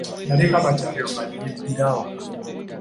Yaleka bakyayomba ye ne yeddira awaka.